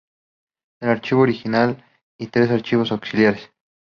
El archivo original y tres archivos auxiliares.